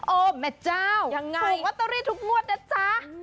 โอ้แม่เจ้าถูกลอตเตอรี่ทุกงวดนะจ๊ะ